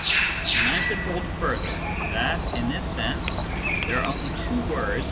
And I should hold further that, in this sense, there are only two words.